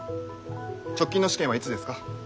直近の試験はいつですか？